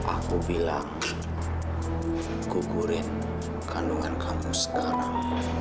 aku bilang gugurin kandungan kamu sekarang